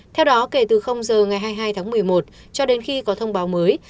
theo đó kể từ giờ ngày hai mươi hai tháng một mươi một cho đến khi có thông báo mới